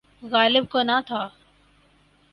غالب کو نہ تھا۔